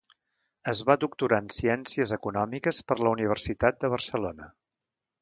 Es va doctorar en Ciències Econòmiques per la Universitat de Barcelona.